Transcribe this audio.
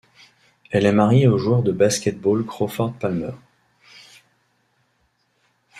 Elle est mariée au joueur de basket-ball Crawford Palmer.